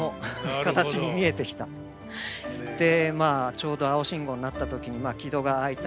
ちょうど青信号になった時に「木戸が開いた」